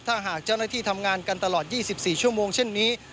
ถ้าหากเจ้าหน้าที่ทำงานกันตลอด๒๔ชั่วโมงเช่นนี้